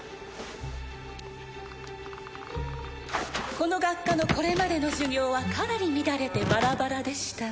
この学科のこれまでの授業はかなり乱れてバラバラでしたね